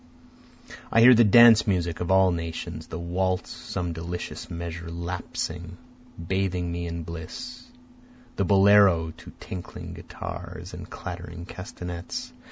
I hear the dance music of all nations, The waltz, some delicious measure, lapsing, bathing me in bliss, The bolero to tinkling guitars and clattering castanets.